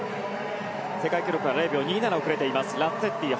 世界記録は０秒２７遅れています。